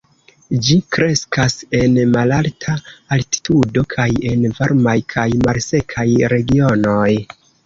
Ĝi kreskas en malalta altitudo kaj en varmaj kaj malsekaj regionoj.